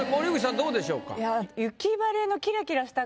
どうでしょうか？